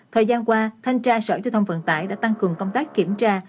thời gian qua thanh tra sở giao thông vận tải đã tăng cường công tác kiểm tra